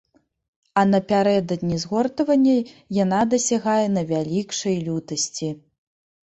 А напярэдадні згортвання яна дасягае найвялікшай лютасці.